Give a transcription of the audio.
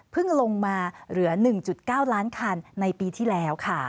ลงมาเหลือ๑๙ล้านคันในปีที่แล้วค่ะ